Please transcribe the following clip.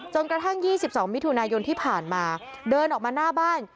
กระทั่ง๒๒มิถุนายนที่ผ่านมาเดินออกมาหน้าบ้าน